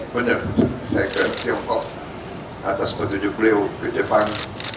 benar saya ke tiongkok atas petunjuk beliau ke jepang